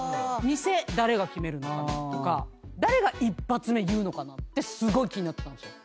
店誰が決めるのかなとか誰が１発目言うのかなってすごい気になってたんですよ。